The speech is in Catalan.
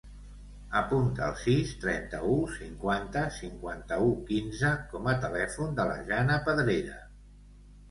Apunta el sis, trenta-u, cinquanta, cinquanta-u, quinze com a telèfon de la Jana Pedrera.